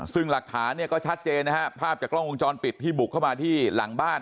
ซึ่งหลักฐานเนี่ยก็ชัดเจนนะฮะภาพจากกล้องวงจรปิดที่บุกเข้ามาที่หลังบ้าน